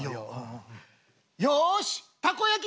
よしたこ焼き